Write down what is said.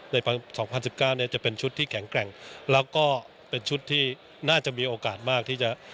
๒๐๑๙เนี่ยจะเป็นชุดที่แข็งแกร่งแล้วก็เป็นชุดที่น่าจะมีโอกาสมากที่จะ